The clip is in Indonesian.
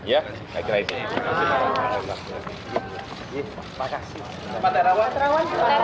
ya saya kira itu